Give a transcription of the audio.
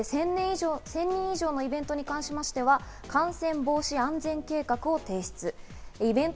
１０００人以上のイベントに関しましては、感染防止安全計画を提出。